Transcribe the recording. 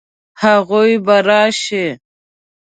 هغوی به راشي؟